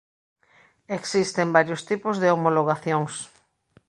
Existen varios tipos de homologacións.